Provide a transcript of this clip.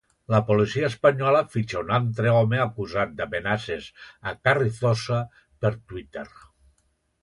La policia espanyola fitxa un altre home acusat d'amenaces a Carrizosa per Twitter.